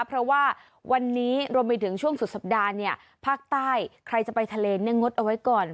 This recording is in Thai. เพราะว่าวันนี้รวมไปถึงช่วงสุดสัปดาห์เนี่ยภาคใต้ใครจะไปทะเลเนี่ยงดเอาไว้ก่อน